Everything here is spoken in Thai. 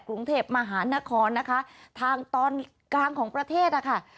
กรุงเทพมหานครนะคะทางตอนกลางของประเทศนะคะ